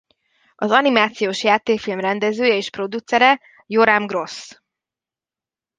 Az animációs játékfilm rendezője és producere Yoram Gross.